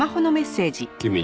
君に？